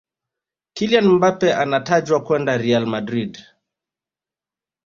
kylian mbappe anatajwa kwenda real madrid